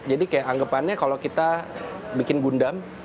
jadi kalau kita bikin gundam